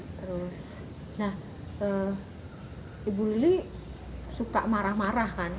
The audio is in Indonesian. terus nah ibu lili suka marah marah kan